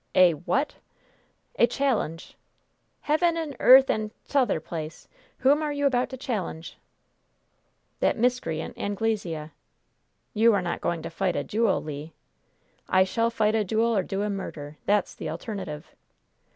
"A what?" "A challenge!" "Heaven, earth and t'other place! Whom are you about to challenge?" "That miscreant Anglesea." "You are not going to fight a duel, Le?" "I shall fight a duel or do a murder! That's the alternative!"